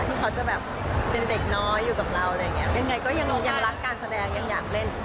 ที่เขาจะแบบเป็นเด็กน้อยอยู่กับเรายังไงก็ยังรักการแสดงยังอยากเล่น